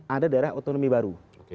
ada daerah otonomi baru